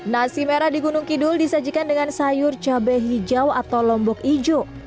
nasi merah di gunung kidul disajikan dengan sayur cabai hijau atau lombok hijau